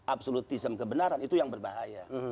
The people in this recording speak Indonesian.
absolutism kebenaran itu yang berbahaya